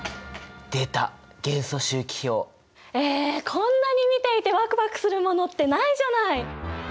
こんなに見ていてワクワクするものってないじゃない！？